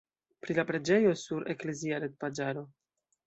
Pri la preĝejo sur eklezia retpaĝaro.